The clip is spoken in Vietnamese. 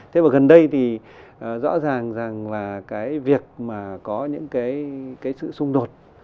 thế mà gần đây thì rõ ràng rằng là cái việc mà có những cái sự xung đột